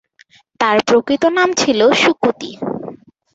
তার প্রকৃত নাম ছিল শুকুতি।